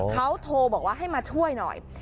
เขาโทรบอกว่าให้มาช่วยหน่อย